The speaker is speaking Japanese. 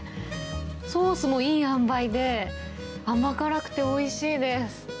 ソースもいいあんばいで、甘辛くておいしいです。